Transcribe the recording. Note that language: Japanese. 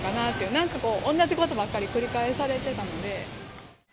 なんかこう、同じことばっかり繰り返されてたので。